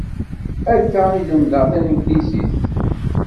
Akka i lemdeɣ taneglizit.